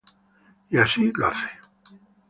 Y así lo hace.